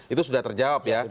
itu sudah terjawab ya